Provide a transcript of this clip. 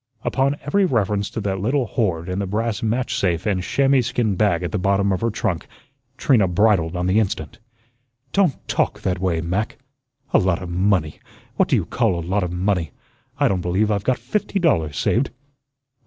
Upon every reference to that little hoard in the brass match safe and chamois skin bag at the bottom of her trunk, Trina bridled on the instant. "Don't TALK that way, Mac. 'A lot of money.' What do you call a lot of money? I don't believe I've got fifty dollars saved."